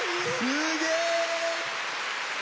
すげえ！